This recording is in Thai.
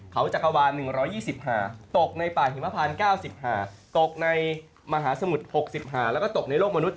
เขาจักรวาล๑๒๕ตกในป่าหิมพาน๙๕ตกในมหาสมุทร๖๕แล้วก็ตกในโลกมนุษย